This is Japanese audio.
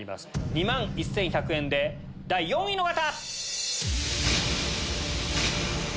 ２万１１００円で第４位の方！